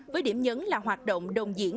với điểm nhấn là hoạt động đồng diễn